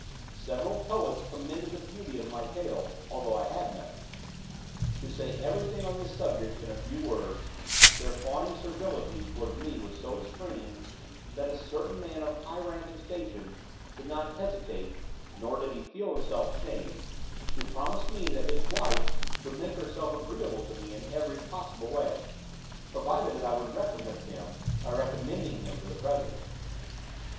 Several poets commended the beauty of my tail, although I had none. To say everything on this subject in a few words their fawning servility towards me was so extreme, that a certain man of high rank and station, did not hesitate, nor did he feel himself shamed, to promise me that his wife should make herself agreeable to me in every possible way, provided that I would recompense him by recommending him to the president.